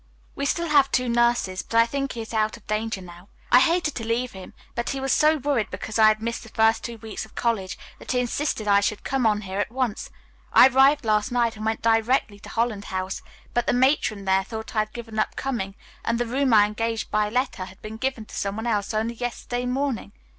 "We still have two nurses, but I think he is out of danger now. I hated to leave him, but he was so worried because I had missed the first two weeks of college, that he insisted I should come on here at once. I arrived last night and went directly to Holland House, but the matron there thought I had given up coming, and the room I engaged by letter had been given to some one else only yesterday morning.